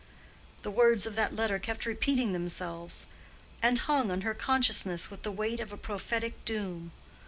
The words of that letter kept repeating themselves, and hung on her consciousness with the weight of a prophetic doom.